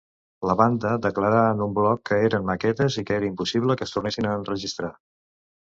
La banda declarà en un blog que eren maquetes i que era possible que es tornessin a enregistrar.